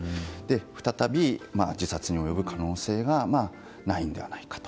再び自殺に及ぶ可能性がないのではないかと。